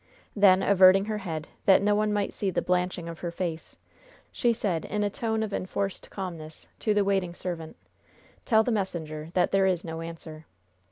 Then, averting her head, that no one might see the blanching of her face, she said, in a tone of enforced calmness, to the waiting servant: "Tell the messenger that there is no answer."